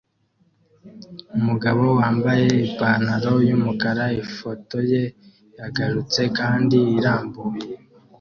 Umugabo wambaye ipantaro yumukara ifoto ye yagutse kandi irambuye